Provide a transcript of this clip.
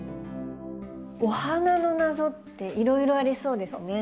お花の謎っていろいろありそうですね。